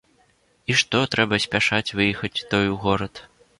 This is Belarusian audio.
І што трэба спяшаць выехаць той у горад.